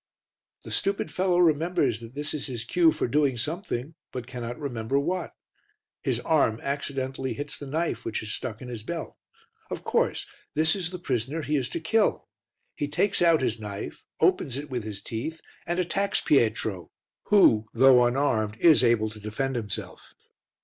The stupid fellow remembers that this is his cue for doing something, but cannot remember what. His arm accidentally hits the knife which is stuck in his belt; of course, this is the prisoner he is to kill; he takes out his knife, opens it with his teeth and attacks Pietro who, though unarmed, is able to defend himself.